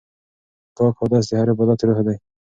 پاک اودس د هر عبادت روح دی.